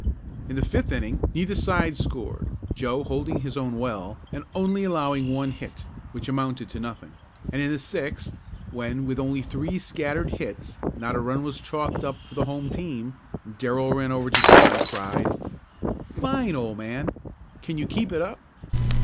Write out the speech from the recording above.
In the fifth inning neither side scored, Joe holding his own well, and only allowing one hit, which amounted to nothing. And in the sixth when, with only three scattered hits, not a run was chalked up for the home team, Darrell ran over to Joe and cried: "Fine, old man! Can you keep it up?"